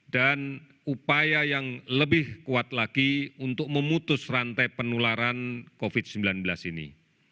dan upaya yang lebih kuat lagi untuk memutus rantai penularan covid sembilan belas ini